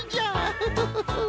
フフフフフ。